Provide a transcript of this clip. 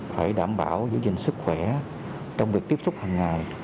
phải đảm bảo giữ gìn sức khỏe trong việc tiếp xúc hằng ngày